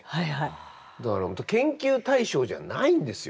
だから研究対象じゃないんですよ